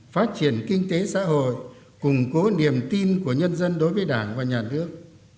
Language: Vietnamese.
phát triển kinh tế xã hội củng cố niềm tin của nhân dân đối với đảng và nhà nước